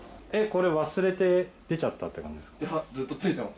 これ、忘れて出ちゃったって感じですか？